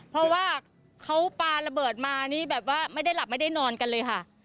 เพราะว่าเขาปลาระเบิดมานี่แบบว่าไม่ได้หลับไม่ได้นอนกันเลยค่ะ